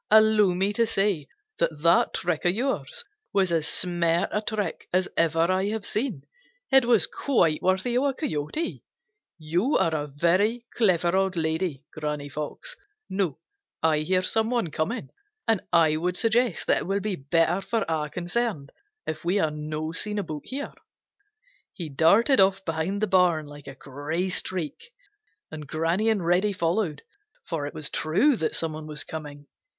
Allow me to say that that trick of yours was as smart a trick as ever I have seen. It was quite worthy of a Coyote. You are a very clever old lady, Granny Fox. Now I hear some one coming, and I would suggest that it will be better for all concerned if we are not seen about here." He darted off behind the barn like a gray streak, and Granny and Reddy followed, for it was true that some one was coming.